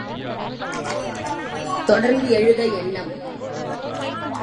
தொடர்ந்து எழுத எண்ணம்.